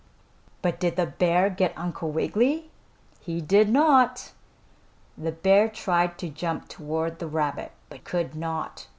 But did the bear get Uncle Wiggily? He did not. The bear tried to jump toward the rabbit, but could not.